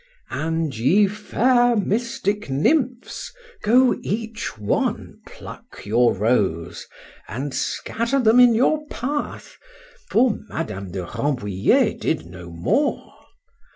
—And, ye fair mystic nymphs! go each one pluck your rose, and scatter them in your path,—for Madame de Rambouliet did no more.